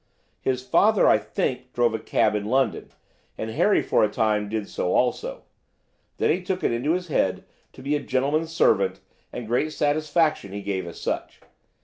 His father, I think, drove a cab in London, and Harry for a time did so also; then he took it into his head to be a gentleman's servant, and great satisfaction he gave as such.